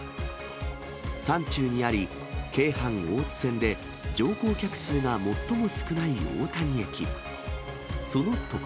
山中にあり、京阪大津線で乗降客数が最も少ない大谷駅。